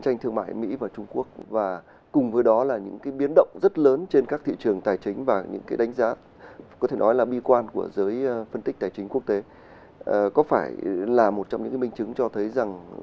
còn về các vấn đề tiêu mại của giới phân tích tài chính quốc tế có phải là một trong những minh chứng cho thấy